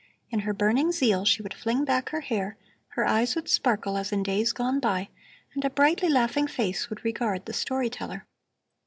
In her burning zeal she would fling back her hair, her eyes would sparkle as in days gone by, and a brightly laughing face would regard the story teller.